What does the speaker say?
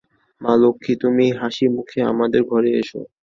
মা লক্ষ্মী, তুমি হাসিমুখে আমাদের ঘরে এস।